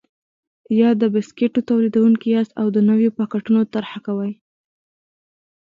یا د بسکېټو تولیدوونکي یاست او د نویو پاکټونو طرحه کوئ.